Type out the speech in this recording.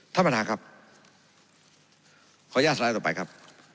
ท่านมาทางครับ